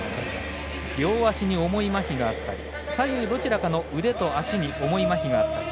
両足に重いまひがあったり左右どちらかの腕か足に重いまひがある。